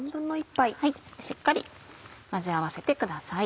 しっかり混ぜ合わせてください。